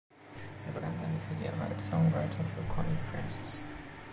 Er begann seine Karriere als Songwriter für Connie Francis.